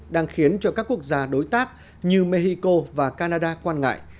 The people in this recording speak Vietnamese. đang khiến cho các quốc gia đối tác như mexico và canada quan ngại